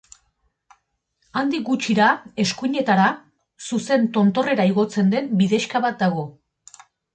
Handik gutxira, eskuinetara, zuzen tontorrera igotzen den bidexka bat dago.